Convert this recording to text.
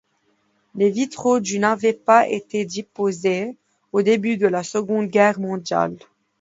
Les vitraux du n'avaient pas été déposés au début de la Seconde Guerre mondiale.